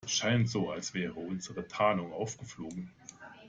Scheint so, als wäre unsere Tarnung aufgeflogen.